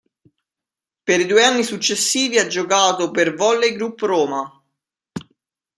Per i due anni successivi ha giocato per Volleygroup Roma.